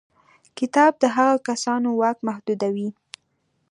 کتاب د هغو کسانو واک محدودوي.